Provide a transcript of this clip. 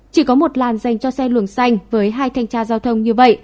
chỉ có một làn dành cho xe luồng xanh với hai thanh tra giao thông như vậy